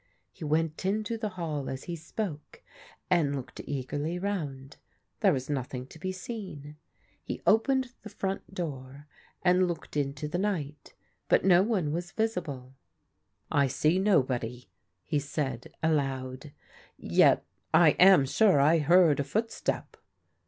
He went into the hall as he spoke and looked eagerly round. There was nothing to be seen. He opened the front door and looked into the night, but no one was risible. " I see nobody," he said aloud. " Yet I am sure I heard a footstep."